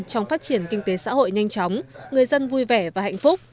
trong phát triển kinh tế xã hội nhanh chóng người dân vui vẻ và hạnh phúc